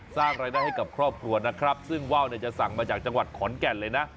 สร้างรายได้ให้กับครอบครัวนะครับซึ่งว่าวเนี่ยจะสั่งมาจากจังหวัดขอนแก่นเลยนะ